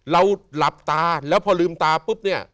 หลับตาแล้วพอลืมตาปุ๊บเนี่ย